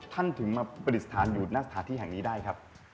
ท่านถึงมาปฏิษฐานอยู่ที่นักฐาธิแห่งนี้ได้ครับ